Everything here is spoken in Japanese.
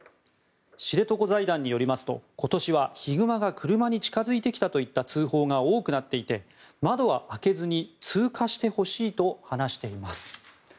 知床財団によりますと今年は、ヒグマが車に近付いてきたといった通報が多くなっていて窓は開けずに通過してほしいと話しています。